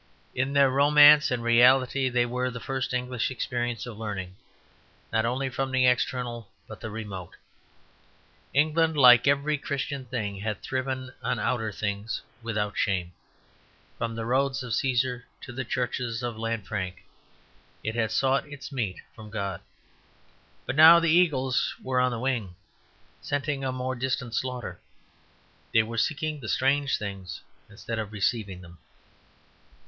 In their romance and reality they were the first English experience of learning, not only from the external, but the remote. England, like every Christian thing, had thriven on outer things without shame. From the roads of Cæsar to the churches of Lanfranc, it had sought its meat from God. But now the eagles were on the wing, scenting a more distant slaughter; they were seeking the strange things instead of receiving them.